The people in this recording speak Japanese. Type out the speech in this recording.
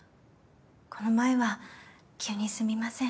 この前は急にすみません。